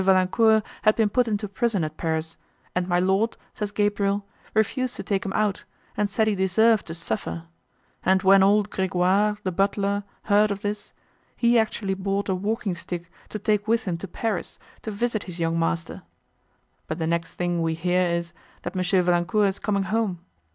Valancourt had been put into prison at Paris, and my Lord, says Gabriel, refused to take him out, and said he deserved to suffer; and, when old Gregoire, the butler, heard of this, he actually bought a walking stick to take with him to Paris, to visit his young master; but the next thing we hear is, that M. Valancourt is coming home.